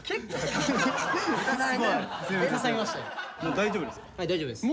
大丈夫ですか？